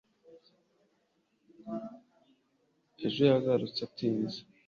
ejo yagarutse atinze